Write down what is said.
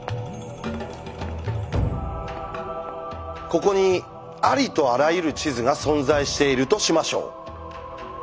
ここにありとあらゆる地図が存在しているとしましょう。